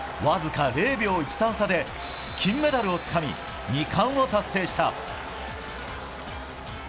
わずか０秒１３差で金メダルをつかみ２冠を達成した。